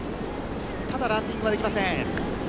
ただ、ランディングはできません。